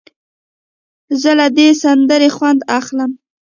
زه له دې سندرې خوند اخلم.